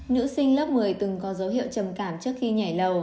nữ sinh lớp một mươi từng có dấu hiệu trầm cảm trước khi nhảy lầu